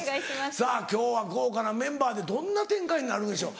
さぁ今日は豪華なメンバーでどんな展開になるんでしょう。